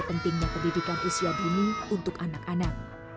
pentingnya pendidikan usia dini untuk anak anak